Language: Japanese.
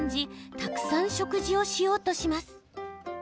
たくさん食事をしようとします。